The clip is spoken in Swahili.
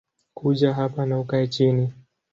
Kuja hapa na ukae chini